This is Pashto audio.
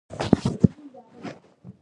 ددې دیوال یوه برخه د حرم شاوخوا ګرځي.